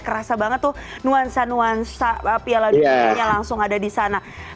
kerasa banget tuh nuansa nuansa piala dunianya langsung ada di sana